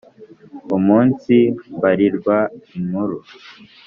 umunsi mbarirwa inkuru